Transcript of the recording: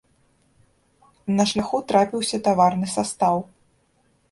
На шляху трапіўся таварны састаў.